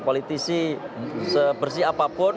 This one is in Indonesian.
politisi sebersih apapun